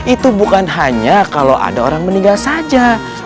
itu bukan hanya kalau ada orang meninggal saja